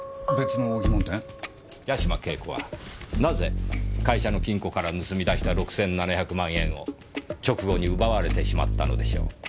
八島景子はなぜ会社の金庫から盗み出した６７００万円を直後に奪われてしまったのでしょう。